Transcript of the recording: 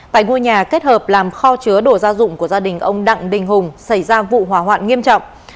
tại ngôi nhà kết hợp làm kho chứa đồ gia dụng của gia đình ông đặng đình hùng xảy ra vụ hỏa hoạn nghiêm trọng